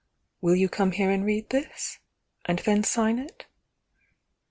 "Will you come here and read this? And then sign it?"